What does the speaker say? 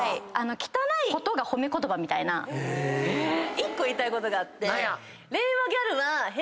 １個言いたいことがあって。